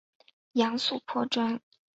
杨素颇专。